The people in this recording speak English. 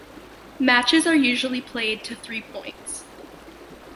Matches are usually played to three points.